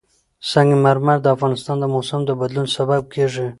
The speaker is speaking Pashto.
سنگ مرمر د افغانستان د موسم د بدلون سبب کېږي.